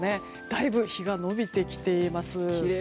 だいぶ日が伸びてきています。